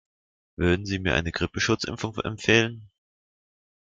Würden Sie mir eine Grippeschutzimpfung empfehlen?